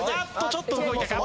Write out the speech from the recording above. ちょっと動いたか？